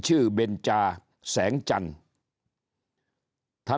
เบนจาแสงจันทร์